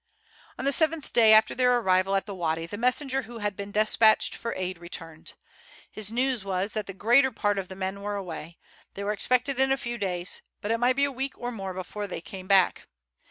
On the seventh day after their arrival at the wady the messenger who had been despatched for aid returned. His news was that the greater part of the men were away; they were expected in a few days, but it might be a week or more before they came back.